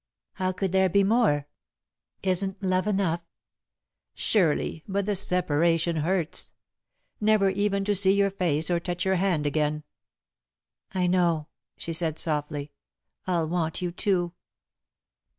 "How could there be more? Isn't love enough?" "Surely, but the separation hurts. Never even to see your face or touch your hand again!" "I know," she said, softly. "I'll want you, too."